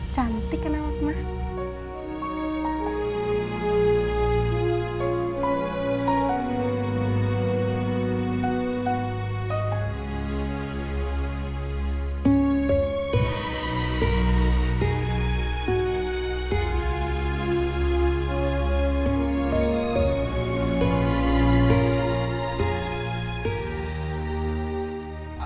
cantik kan awak ma